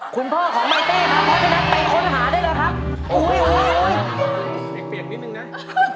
คุณพ่อของไมตี้ค่ะเพราะฉะนั้นไปค้นหาได้หรือครับ